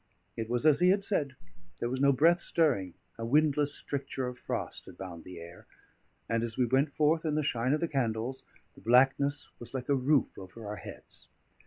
It was as he had said: there was no breath stirring; a windless stricture of frost had bound the air; and as we went forth in the shine of the candles, the blackness was like a roof over our heads.